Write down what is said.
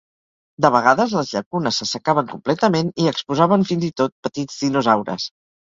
De vegades, les llacunes s'assecaven completament i exposaven fins i tot petits dinosaures.